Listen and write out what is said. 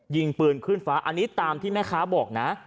ยิงปืนขึ้นฟ้าอันนี้ตามที่แม่ค้าบอกนะ